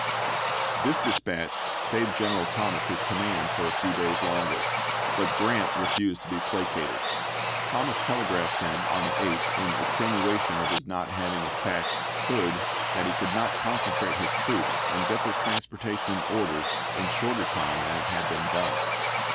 This dispatch saved General Thomas his com mand for a few days longer; but Grant refused to be placated. Thomas telegraphed him on the 8th in extenuation of his not having attacked Hood that he could not concentrate his troops and get their transportation in order in shorter time than it had been done.